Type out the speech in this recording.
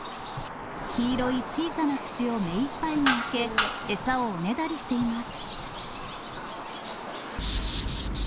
黄色い小さな口を目いっぱいに開け、餌をおねだりしています。